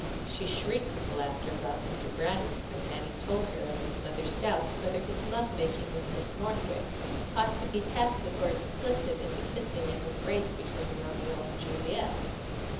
She shrieked with laughter about Mr. Brandreth when Annie told her of his mother's doubt whether his love making with Miss Northwick ought to be tacit or explicit in the kissing and embracing between Romeo and Juliet.